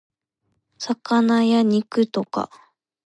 魚や肉とか